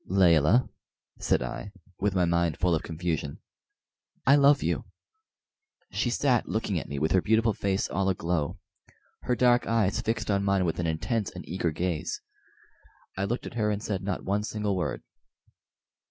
"Layelah," said I, with my mind full of confusion. "I love you!" She sat looking at me with her beautiful face all aglow her dark eyes fixed on mine with an intense and eager gaze. I looked at her and said not one single word.